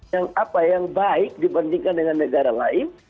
yang apa yang baik dibandingkan dengan negara lain